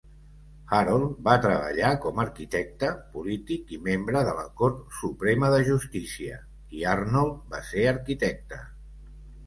Harold va treballar com arquitecte, polític i membre de la Cort Suprema de Justícia; i Arnold va ser arquitecte.